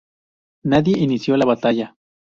Nadie inició la batalla.